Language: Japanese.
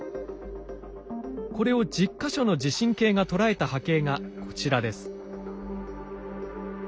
これを１０か所の地震計が捉えた波形がこちらです。